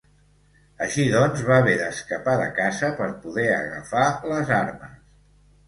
Així doncs, va haver d'escapar de casa per poder agafar les armes.